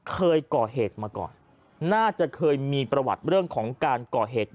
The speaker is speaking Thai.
เคยก่อเหตุมาก่อนน่าจะเคยมีประวัติเรื่องของการก่อเหตุ